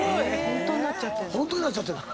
ホントになっちゃってんだ。